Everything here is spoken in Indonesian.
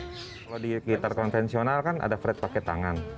kalau di gitar konvensional kan ada fret pake tangan